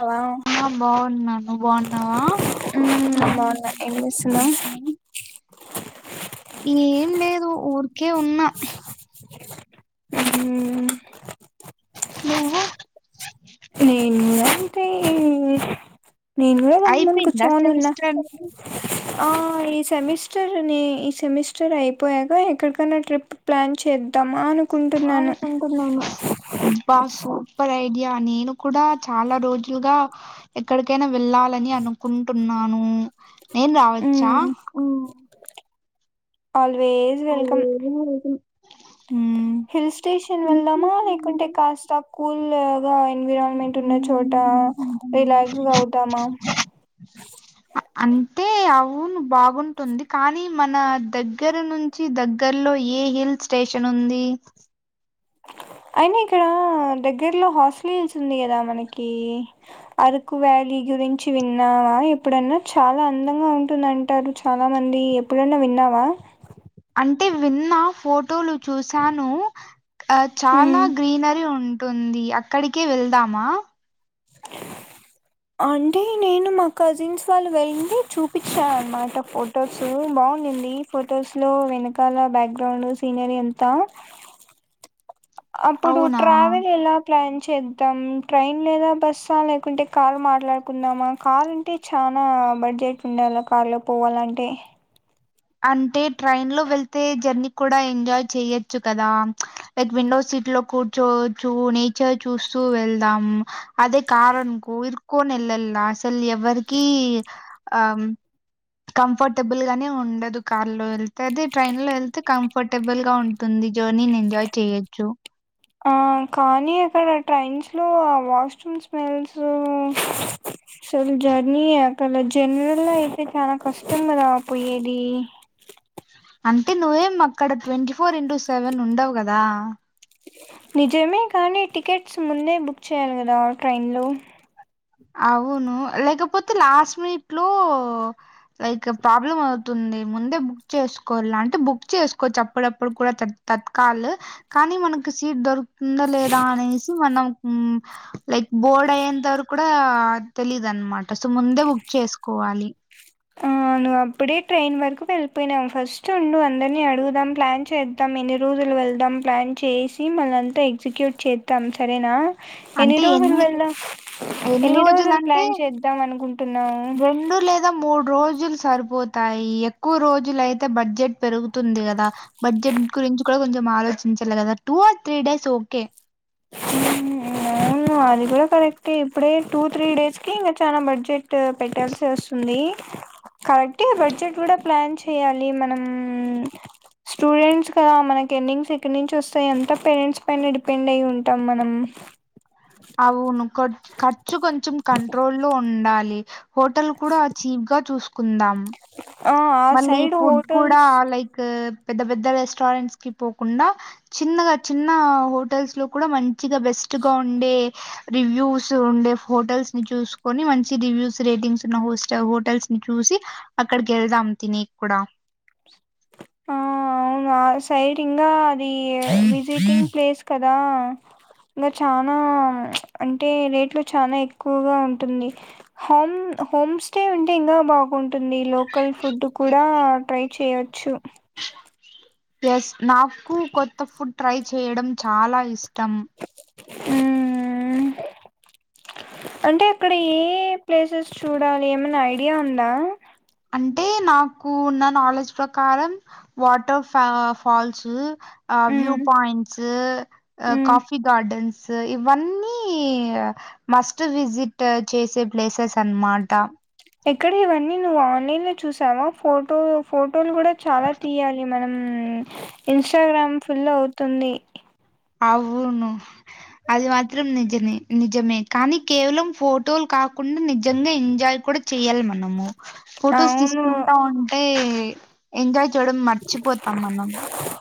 Hello ఆ బాగున్నా నువ్వు బాగున్నావా హు బావున్నా ఎం జేస్తున్నావ్ ఏం లేదు ఊరు ఒకే ఉన్నా ఊ నువ్వు టీవీ నేను గుడా గమ్మున అయిపోయిందా కూచోన్నున్నా సెమిస్టర్ ఆహ్ ఈ సెమిస్టర్ని ఈ సెమిస్టర్ అయిపోయాక ఎక్కడికైనా ట్రిప్ ప్లాన్ చేద్దాం ఆంటున్నాను ఉ బా సూపర్ అయి ఐడియా నేను కూడా చాలా రోజులుగా ఎక్కడికైనా వెళ్ళాలని అనుకుంటున్నాను నేను రావచ్చా ఉమ్ ఆల్వేస్ అ వెల్కమ్ ఉమ్ హిల్ స్టేషన్ వెళ్దామా లేకుంటే కాస్త కూల్గా ఎన్విరాన్మెంట్ ఉన్న చోట అ రిలాక్స్ గా అవుదామా అంటే అవును బాగుంటుంది కానీ మన దగ్గర నుంచి చి దగ్గర్లో ఏ హిల్ స్టేషన్ ఉంది అయినా ఇక్కడ దగ్గర్లో హార్సిలీ హిల్స్ ఉంది కదా మనకి అరకు వ్యాలీ గురించి విన్నావా ఎప్పుడన్నా చాలా అందంగా ఉంటుందంటారు చాలా మంది ఎప్పుడైన్నా విన్నావా అంటే విన్న ఫోటోలు చూశాను ఆ చాలా మ్మ్. గ్రీనరీ ఉ ఉంది అక్కడికే వెళ్దామా అంటే నేను మా కజిన్స్ వాళ్ళు వెళ్ళింటే చూపించారూ అన్నమాట ఫొటోస్ బాగుంది ఫొటోస్ లో వెనకాల బ్యాక్గ్రౌండ్ సీనరీ అంతా అప్పుడు అవునా ట్రావెల్ ఎలా ప్లాన్ చేద్దాం ట్రైన్ లేదా బస్సా లేకుంటే కారు మాట్లాడుకుందామా కార్ అంటే చాలా బడ్జెట్ ఉండాలి కార్లో పోవాలంటే అంటే ట్రైన్ లో వెళ్తే జర్నీ కూడా ఎంజాయ్ చెయొచ్చు కదా లైక్ విండో సీట్ లో కూర్చోవచ్చు నేచర్ చూస్తూ వెళ్దాం అదే కార్ అనుకో కోనీ వెళ్ళాలి అసల్ ఎవ్వరికి ఆ కంఫర్టబుల్ గానే ఉండదు కార్ లో వెళ్తే అదే ట్రైన్ లో వెళ్తే కంఫర్టబుల్ గా ఉంటుంది జర్నీని ఎంజాయ్ చేయొచ్చు ఆ కానీ అక్కడ ట్రైన్స్ లో ఆ వాష్రూమ్ స్మెల్స్ అసలు జర్నీ అక్కడ జనరల్ అయితే చాలా కష్టం రా పోయేది అ నిజమే కానీ టికెట్స్ ముందే బుక్ చేయాలి కదా ట్రైన్లో అవును లేకపోతే లాస్ట్ మినిట్ లో లైక్ ప్రాబ్లం అవుతుంది ముందే బుక్ చేసుకోవాల అంటే బుక్ చేసుకోవచ్చు అప్పుడప్పుడు కూడా తత్కాల కానీ మనకి సీట్ దొరుకుతుందా లేదా అనేసి మనం లైక్ బోర్డ్ అయ్యంత వరకు కూడా తెలీదు అనమాట సో ముందే బుక్ చేసుకోవాలి నువ్వు అప్పుడే ట్రైన్ వరకు వెళ్ళిపోయినాం ఫస్ట్ నుండు అందరినీ అడుగుదాం ప్లాన్ చేద్దాం ఎన్ని రోజులు వెళ్దాం ప్లాన్ చేసి మళ్ళంతా ఎగ్జిక్యూట్ చేద్దాం సరేనా ఎన్ని రోజులు వెళ్దాం ఎన్ని రోజులు ప్లాన్ చేద్దాం అనుకుంటున్నావు రెండు లేదా మూడు రోజులు సరిపోతాయి ఎక్కువ రోజులు అయితే బడ్జెట్ పెరుగుతుంది కదా బడ్జెట్ గురించి కూడా కొంచెం ఆలోచించలి కదా two or three days okay ఊ అవును అది ఏ కరెక్ట్ ఎ ఇప్పుడే టూ త్రీ డేస్ కి ఇంకా చానా బడ్జెట్ పెట్టాల్సి వస్తుంది కరెక్ట్ బడ్జెట్ కూడా ప్లాన్ చెయాలి మనం స్టూడెంట్స్ కదా మనకి ఎర్నింగ్స్ ఎక్కడ నుంచి వస్తాయి ఎంత పేరెంట్స్ పైన డిపెండ్ అయ ఉం ట మనం అవును కొ ఖర్చు కొంచెం కంట్రోల్ లో ఉండాలి హోటల్ కూడా చీప్ గా చూస్ కుందాం ఆ ఆ మళ్ళీ సైడ్ ఫుడ్ కూడా హోటల్స్ లైక్ పెద్ద పెద్ద రెస్టారెంట్స్ కి పోకుండా చిన్నగా చిన్న హోటల్స్ లో కూడా మంచిగా బెస్ట్ గా ఉండే రివ్యూస్ ఉండే హోటల్స్ ని చూసుకొని మంచి రివ్యూస్ రేటింగ్స్ ఉన్న హోస్ట హోటల్స్ ని చూసి అక్కడికి వెళ్దాం తినేక్కుడా ఆ అవును ఆ సైడ్ ఇంకా అది విజిటింగ్ ప్లేస్ కదా ఇంకా చనా ప్చ్ అంటే రేట్లు చానా ఎక్కువగా ఉంటుంది హోమ్ హోమ్ స్టే అంటే ఇంకా బాగుంటుంది లోకల్ ఫుడ్ కూడా ట్రై చేయచ్చు స్ నాకు కొత్త ఫుడ్ ట్రై చేయడం చాలా ఇష్టం ఊ అంటే అక్కడ ఏ ప్లేసెస్ చూడాలి ఏమన్నా ఐడియా ఉందా అంటే నాకు ఉన్న నాలెడ్జ్ ప్రకారం వాటర్ ఫా ఫాల్సు ఆ వ్యూ మ్మ్ పాయింట్స్ ఊ మ్మ్ కాఫీ గార్డెన్స్ సొ ఇవన్నీ మస్ట్ విజిట్ చేసే ప్లేసెస్ అనమాట ఎక్కడ ఇవన్నీ నువ్వు ఆన్లైన్ లో చూసావా ఫోటో ఫో హటోల్ కూడా చాలా తీయాలి మనం ఊ ఇన్స్టాగ్రామ్ ఫుల్ అవుతుంది అవును అది మాత్రం నిజమే నిజమే కానీ కేవలం ఫోటోలు కాకుండా నిజంగా ఎంజాయ్ కూడా చేయాలి మనము ఫొటోస్ అవును తీసుకుంటా ఉంటే ఎంజాయ్ చూడం మర్చిపోతాం మనం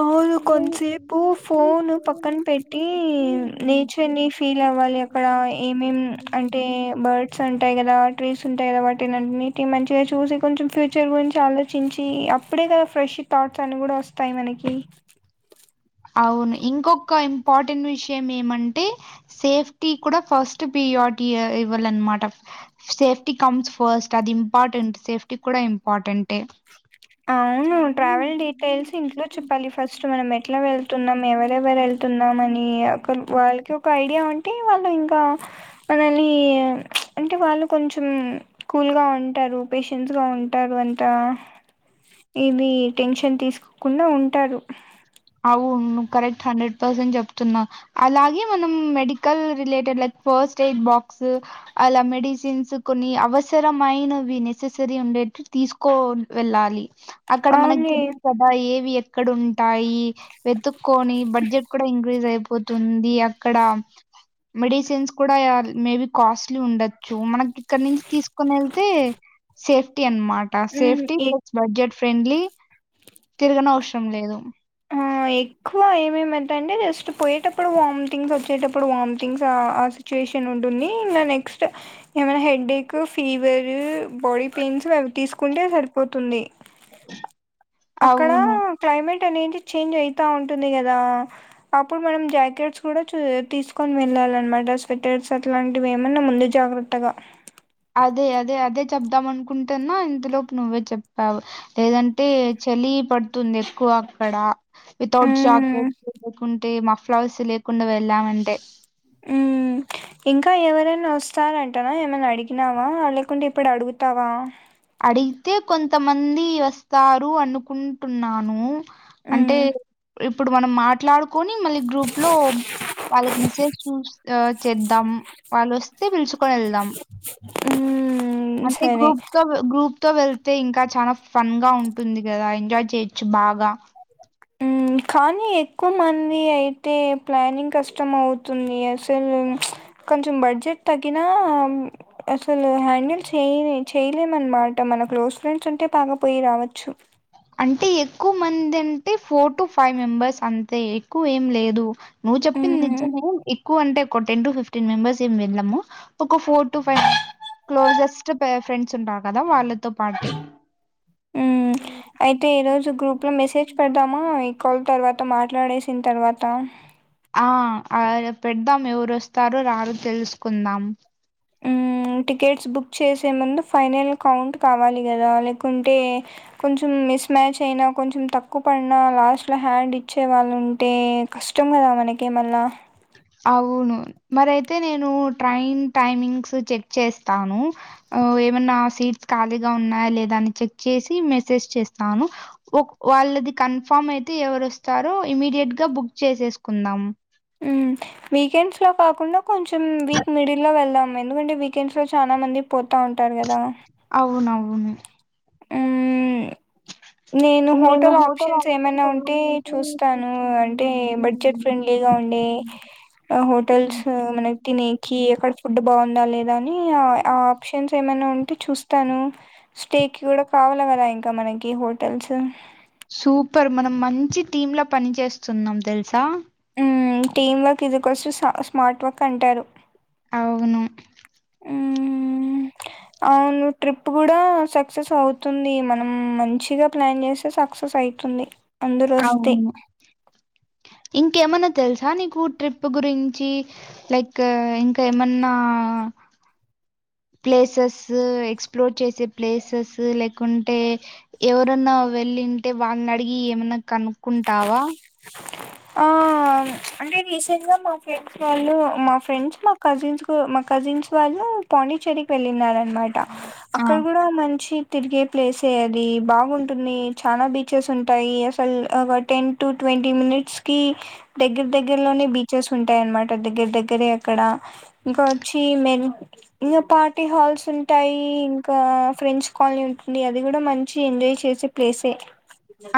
అవును కొంతసేపు ఫోన్ పక్కన పెట్టి నేచర్ ని ఫీల్ అవ్వాలి అక్కడ ఏమేం అంటే బర్డ్స్ అంటాయి కదా ట్రీస్ ఉంటాయి కాబట్టిన్నింటిని మంచిగా చూసి కొంచెం ఫ్యూచర్ గురించి ఆలోచించి అప్పుడే కదా ఫ్రెష్ థాట్స్ అని కూడా వస్తాయి మనకి కి అవును ఇంకొక ఇంపార్టెంట్ విషయం ఏమంటే సేఫ్టీ కూడా ఫస్ట్ ప్రియారిటీ ఇవ్వాలన్నమాట సేఫ్టీ కమ్స్ ఫస్ట్ అది ఇంపార్టెంట్ సేఫ్టీ కూడా ఇంపార్టెంట్ ఏ అవును ట్రావెల్ డీటెయిల్స్ ఇంట్లో చెప్పాలి ఫస్ట్ మనం ఎట్లా వెళ్తున్నాం ఎవరెవరు వెళ్తున్నాం అని ఒక బాగా వాళ్ళకి ఒక ఐడియా ఉంటే వాళ్ళు ఇంకా మనని అంటే వాళ్ళు కొంచెం కూల్గా ఉంటారు పేషెన్స్ గా ఉంటారు అంత ఇది టెన్షన్ తీసుకోకుండా ఉంటారు వు కరెక్ట్ హండ్రెడ్ పర్సెంట్ చెప్తున్నా అలాగే మనం medical related like first aid box అలా మెడిసిన్స్ కొన్ని అవసరమైనవి నెసెసరీ ఉండేటు తీసుకో వెళ్ళాలి అక్కడ మనకు అవునే తెలీదు కదా ఏవి ఎ ఎక్కడ ఉంటాయి వెతుక్కొని బడ్జెట్ కూడా ఇంక్రిస్ అయిపోంది పోతుంది అక్కడ మెడిసిన్స్ కూడా మేబి కాస్ట్లీ ఉండొచ్చు మనకి ఇక్కడ నుంచి తీసుకని వెళ్తే సేఫ్టీ అన్మట్ హ్మ్ సేఫ్టీ ఎ బడ్జెట్ ఫ్రెండ్లీ తిరగని అవసరం లేదు ఆ ఎక్కువ ఏమేమివు అంటే జస్ట్ పోయేటప్పుడు వామిటింగ్స్ వచ్చేటప్పుడు వామిటింగ్స్ ఆ సిచ్యుయేషన్ ఉంటుంది ఇంగ నెక్స్ట్ ఏమైనా హెడ్ఏక్ ఫీవర్ బాడీ పెయిన్స్ అవి తీసుకుంటే సరిపోతుంది అక్కడ అవును క్లైేమేట్ నీ చేంజ్ అయితా ఉంటుంది కదా అప్పుడు మనం జాకెట్స్ కూడా చూ తీసుకొని వెళ్ళాలన్నమాట స్వెటర్స్ అట్లాంటివి ఏమన్నా ముందు జాగ్రత్తగా అదే అదే అదే చెప్దాం అనుకుంటేన్నా ఇంతలోపు నువ్వే చెప్పావు లేదంటే చలి పడుతుంది ఎక్కువ అక్కడ వితౌట్ హ్మ్ జాక అంటే మఫ్లవస లేకుండా వెళ్లామ అంటే ఉ ఇంకా ఎవరైనా వస్తారంటనా ఏమైనా అడిగినావా లేకుంటే ఇప్పుడు అడుగుతావా అయితే కొంతమంది వస్తారు అనుకుంటున్నాను అంటే హ్మ్ ఇప్పుడు మనం మాట్లాడుకొని మళ్ళీ గ్రూప్ లో వాళ్ళకి మెసేజ్ చూ చేద్దాం వాళ్ళు వస్తే పిలుచుకొని వెళ్దాం హ్మ్ అంటే సరే గ్రూప్ గా గ్రూప్ తో వెళ్తే ఇంకా చాలా ఫన్ గా ఉంటుంది కదా ఎంజాయ్ చేయొచ్చు బాగా కానీ ఎక్కువ మంది అయితే ప్లానింగ్ కష్టం అవుతుంది అసలు కొంచెం బడ్జెట్ తగిన అసలు హ్యాండిల్ చేయ చేయలేమనమాట మన క్లోజ్ ఫ్రెండ్స్ ఉంటే బాగా పోయి రావచ్చు అంటే ఎక్కువ మంది అంటే ఫోర్ టు ఫైవ్ మెంబర్స్ అంతే ఎక్కువ ఏం లేదు నువ్వు చెప్పింది హ్మ్ నిజమే అంటే ఒక టెన్ టు ఫిఫ్టీన్ మెంబర్స్ ఏమి వెళ్ళము ఇప్పు ఒక four to five closest friends సా కదా వాళ్ళు పాటీ హ్మ్ అయితే ఈ రోజు గ్రూప్ లో మెసేజ్ పెడదామ ఈ కాల్ తర్వాత మాట్లాడేసిన తర్వాత ఆ అ పెడదాం ఎవరు వస్తారో రారు తెలుసుకుందాం ఉం టికెట్స్ బుక్ చేసే ముందు ఫైనల్ కౌంట్ కావాలి కదా లేకుంటే కొంచెం మిస్మ్యాచ్ అయినా కొంచెం తక్కువ పడినా లాస్ట్లో హ్యాండ్ ఇచ్చే వాళ్ళు ఉంటే కష్టం కదా మనకే మళ్ళా అవును మరి అయితే నేను ట్రైన్ టైమింగ్స్ చెక్ చేస్తాను ఏమైనా సీట్స్ ఖాళీగా ఉన్నాయా లేదా అని చెక్ చేసి మెసేజ్ చేస్తాను వాళ్ళది కన్ఫర్మ్ అయితే ఎవరు వస్తారో ఇమీడియట్గా బుక్ చేసేసుకుందాం ఉం వీకెండ్స్ లో కాకుండా కొంచెం వీక్ మిడిల్ లో వెల్దమ్ ఎందుకంటే వీకెండ్స్ లో చానా మంది పోతా ఉంటారు కదా అవునువును మ్మ్ నేను హోటల్ ఆప్షన్స్ ఏమైనా ఉంటే చూస్తాను అంటే బడ్జెట్ ఫ్రెండ్లీగా ఉండే హోటల్స్ మనకి తినేకి ఎక్కడ ఫుడ్ బాగుందా లేదా అని ఆ ఆప్షన్స్ ఏమైనా ఉం టే చూస్తాను స్టేకి కూడా కావాల కదా ఇంకా మనకి హో తెలసి సూపర్ మనం మంచి టీమ్ ల పని చేేస్తున్నాం తెలుసా ఉం team work ఇజికోస్ to smart work అంటారు అవును ఉం అవును ట్రిప్ కూడా సక్సెస్ అవుతుంది మనం మంచిగా ప్లాన్ చేస్తే సక్సెస్ అయితుంది అందరు వస్తే అవును. ఇంకేమన్నా తెలుసా నీకు ట్రిప్ గురించి లైక్ ఇంకా ఏమన్నా ప్లేసెస్ ఎక్స్ప్లోర్ చేసే ప్లేసెస్ లేకుంటే ఎవరన్నా వెళ్ళింటే వాళ్ళని అడిగి ఏమన్నా కనుక్కుంటావా ఆ అంటే రీసెంట్ గా మా ఫ్రెండ్స్ వాళ్ళు మా ఫ్రెండ్స్ మా కజిన్స్ మా కజిన్స్ వాళ్ళు పాండిచ్చేరికి వెళ్ళినార అనమాట ఆ అక్కడ కూడా మంచి తిరిగే ప్లేసే అది బాగుంటుంది చాలా బీచెస్ ఉంటాయి అసలు ఒక టెన్ టు ట్వంటీ మినిట్స్ కి దగ్గర దగ్గరలోనే బీచెస్ ఉంటాయ అన్నమాట దగ్గర దగ్గరే అక్కడ ఇంకా వచ్చి మె ఇంకా పార్టీ హాల్స్ ఉంటాయి ఇంకా ఫ్రెండ్స్ కాలనీ ఉంటుంది అది కూడా మంచి ఎంజాయ్ చేసే ప్లేసే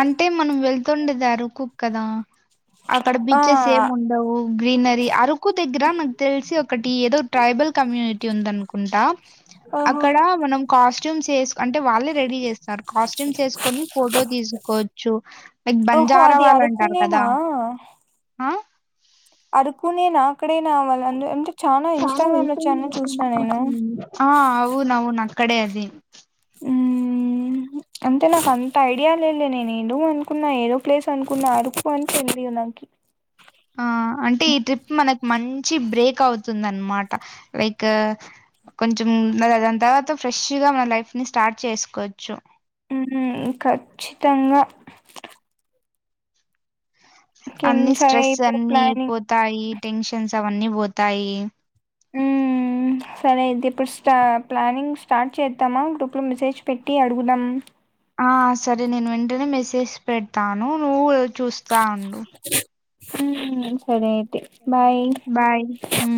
అంటే మనం వెళ్ తొండదారు కూక్కదా అక్కడ ఆ బీచెస్ ఏం ఉండవు గ్రీనరీ ఆర కు దగ్గర నాకు తెలిసి ఒకటి ఏదో ట్రైబల్ కమ్యూనిటీ ఉంద అనుకుంటా ఓహో అక్కడ మనం కాస్ట్యూమ్స్ ఎస్ అంటే వాళ్ళ రెడీ చేస్తున్నారు కాస్ట్యూమ్స్ వేసుకొని ఫోటో తీసుకు కోవచ్చు లైక్ ఓహో బంజారా అది వాళ్ళు అంటారు కదా అరకునేనా అ అరకునే నా అక్కడే నా వాళ్ళ అంటే చనా చాలా ఇన్స్టాగ్రామ్ లో వచ్చాన్న అయిపోయింది. చూసిన నేను ఆ అవునవును అక్కడే అది ఉమ్మ్ అంటే నాకు అంత ఐడియా లేలే నేను ఏదో అనుకున్నా ఏదో ప్లేస్ అనుకున్నా అరకు అని తెలియదు నాకి ఆ అంటే ఈ ట్రిప్ మనకు మంచి బ్రేక్ అవుతుంది అనమాట లైక్ కొంచెం దాని తర్వాత ఫ్రెష్ గా మన లైఫ్ ని స్టార్ట్ చేసుకోవచ్చు హు ఖచ్చితంగా ఇంకేం అన్ని సరే స్ట్రెస్ ఇప్పుడు అన్ని అయి ప్లానింగ్ పోతాయి టెన్షన్స్ అవన్నీ పోతాయి హుమ్ సరే అయితే ఇప్పుడు ఆ చేసి పెడతాను నువ్వు చూస్తా ఉండు హ సరే అయితే బాయ్ బాయ్ హు